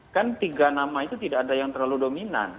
kan tiga nama itu tidak ada yang terlalu dominan